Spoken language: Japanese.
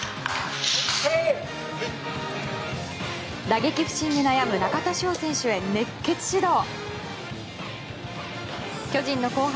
打撃不振に悩む中田翔選手へ熱血指導。